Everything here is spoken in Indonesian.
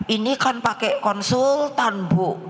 ini kan pakai konsultan bu